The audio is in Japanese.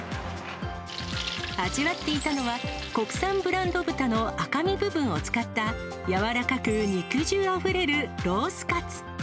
味わっていたのは、国産ブランド豚の赤身部分を使った、柔らかく肉汁あふれるロースカツ。